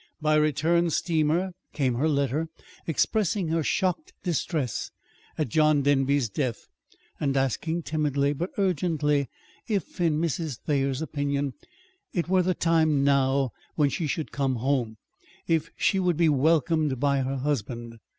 By return steamer came her letter expressing her shocked distress at John Denby's death, and asking timidly, but urgently, if, in Mrs. Thayer's opinion, it were the time now when she should come home if she would be welcomed by her husband.